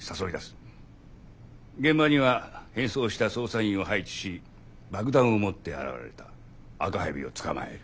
現場には変装した捜査員を配置し爆弾を持って現れた赤蛇を捕まえる。